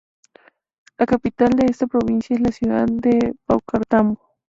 La capital de esta provincia es la ciudad de Paucartambo.